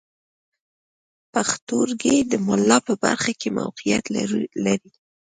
پښتورګي د ملا په برخه کې موقعیت لري.